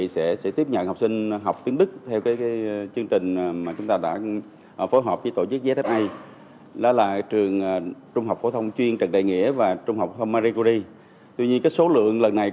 sở giáo dục đào tạo cũng như các trường trung học phổ thông đều không nhận đơn